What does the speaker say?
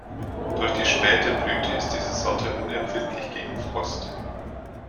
Durch die späte Blüte ist diese Sorte unempfindlich gegen Frost.